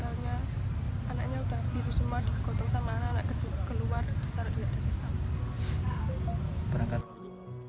terus katanya anaknya udah biru semua digotong sama anak anak keluar